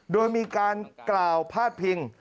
โดยมีการกล่าวพาดพิง